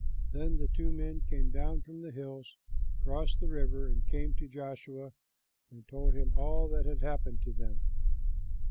Then the two men came down from the hills, crossed the river, and came to Joshua and told him all that had happened to them.